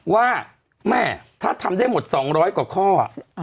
ว่าแม่ถ้าทำได้หมด๒๐๐กว่าข้อ